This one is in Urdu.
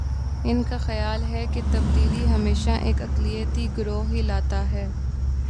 ان کا خیال ہے کہ تبدیلی ہمیشہ ایک اقلیتی گروہ ہی لاتا ہے۔